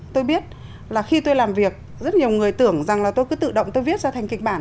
tôi biết là khi tôi làm việc rất nhiều người tưởng rằng là tôi cứ tự động tôi viết ra thành kịch bản